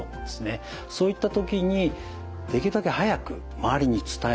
そういった時にできるだけ早く周りに伝える。